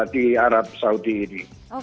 di arab saudi ini